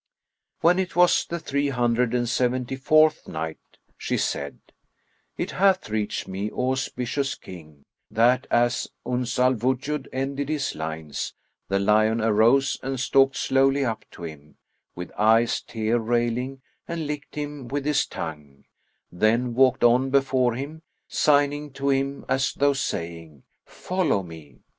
When it was the Three Hundred and Seventy fourth Night, She said, It hath reached me, O auspicious King, that as Uns al Wujud ended his lines, the lion arose and stalked slowly up to him, with eyes tear railing and licked him with his tongue, then walked on before him, signing to him as though saying, "Follow me."